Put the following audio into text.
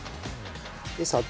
で砂糖。